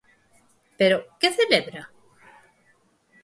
Pero, ¿que celebra?